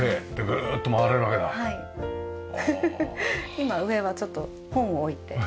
今上はちょっと本を置いて。